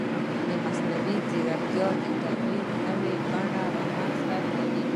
مصنوعي ځیرکتیا د تولید نوې بڼې رامنځته کوي.